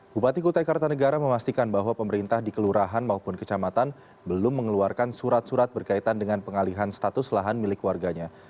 bupati kutai kartanegara memastikan bahwa pemerintah di kelurahan maupun kecamatan belum mengeluarkan surat surat berkaitan dengan pengalihan status lahan milik warganya